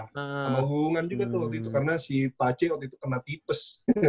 sama wungan juga tuh waktu itu karena si pace waktu itu kena tipes